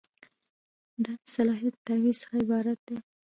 دا د صلاحیت د تعویض څخه عبارت دی.